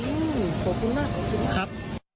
ครับ